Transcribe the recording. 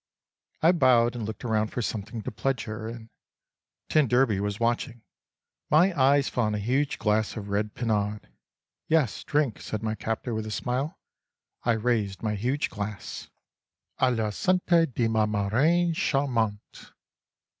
I bowed and looked around for something to pledge her in. T d was watching. My eyes fell on a huge glass of red pinard. "Yes, drink," said my captor, with a smile. I raised my huge glass. "_A la santé de ma marraine charmante!